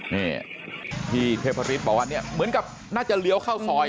นี่พี่เทพฤทธิบอกว่าเนี่ยเหมือนกับน่าจะเลี้ยวเข้าซอย